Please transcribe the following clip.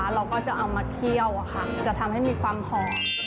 เราก็จะเอามาเคี่ยวจะทำให้มีความหอม